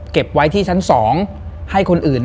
เก็บไว้ที่ชั้น๒ให้คนอื่น